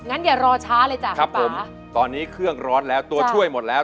อย่ารอช้าเลยจ้ะครับผมตอนนี้เครื่องร้อนแล้วตัวช่วยหมดแล้ว